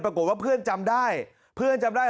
ปรากฏว่าเพื่อนจำได้เพื่อนจำได้